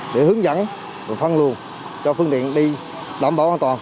để hướng dẫn phân luồn cho phương tiện đi đảm bảo an toàn